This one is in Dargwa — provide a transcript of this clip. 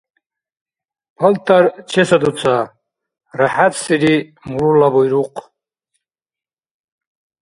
- Палтар чесадуца, - рахӀятсири мурулла буйрухъ.